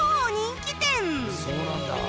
そうなんだ。